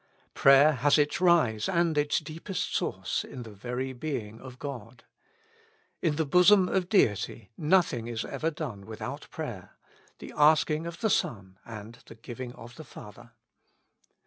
Prayer has its rise and its deepest source in the very Being of God. In the bosom of Deity nothing is ever done without prayer — the asking of the Son and the giving of the Father.